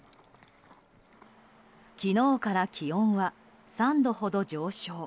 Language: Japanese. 昨日から気温は３度ほど上昇。